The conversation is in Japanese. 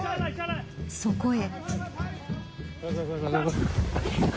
そこへ。